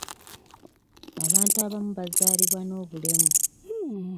Abantu abamu bazaalibwa n'obulemu.